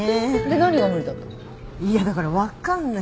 で何が無理だったの？